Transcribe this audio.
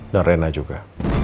dan rena juga